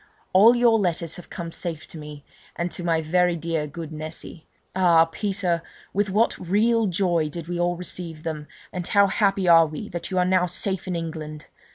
All your letters have come safe to me, and to my very dear good Nessy. Ah! Peter, with what real joy did we all receive them, and how happy are we that you are now safe in England!